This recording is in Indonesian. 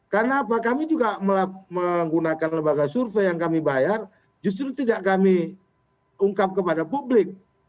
karena kami juga menggunakan sebagai survei yang kami bayar justru tidak kami ungkap kepada publik